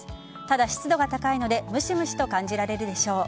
ただ、湿度が高いのでむしむしと感じられるでしょう。